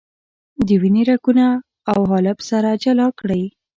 د وینې رګونه او حالب سره جلا کړئ.